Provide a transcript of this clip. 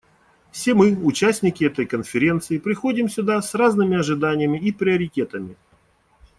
Все мы, участники этой Конференции, приходим сюда с разными ожиданиями и приоритетами.